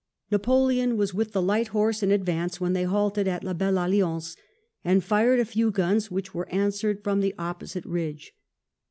Napoleon was with the light horse in advance when they halted at La Belle Alliance, and fired a few guns which were answered from the opposite ridge.